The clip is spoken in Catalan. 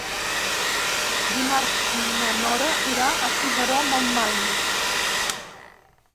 Dimarts na Nora irà a Figaró-Montmany.